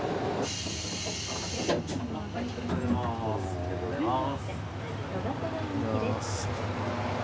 ありがとうございます。